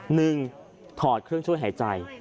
หนึ่งถอดเครื่องช่วยหายใจ